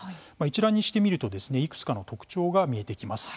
一覧にしてみるといくつかの特徴が見えてきます。